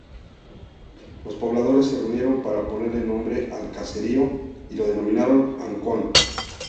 Los pobladores se reunieron para ponerle nombre al caserío y lo denominaron Ancón.